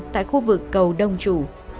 tại khu vực cầu đông chủ